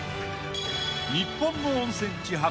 ［日本の温泉地